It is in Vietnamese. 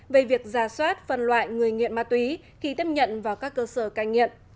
về việc giả soát phân loại người nghiện ma túy khi tiếp nhận vào các cơ sở cai nghiện